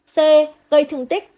c gây thương tích